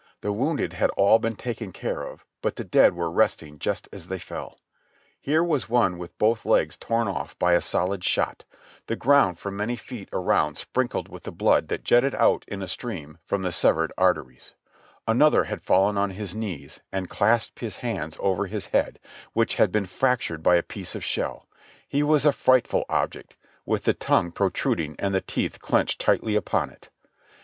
The wounded had all been taken care of, but the dead were resting just as they fell. Here was one with both legs torn off by a solid 258 JOHNNY REB AND BILLY YANK shot, the ground for many feet around sprinkled with the blood that jetted out in a stream from the severed arteries ; another had fallen on his knees and clasped his hands over his head, which had been fractured by a piece of shell — he was a frightful object, with the tongue protruding and the teeth clenched tightly upon it.